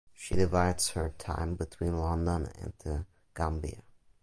She divides her time between London and The Gambia.